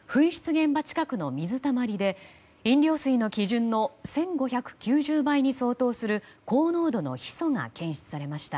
現場近くの水たまりで飲料水の基準の１５９０倍に相当する高濃度のヒ素が検出されました。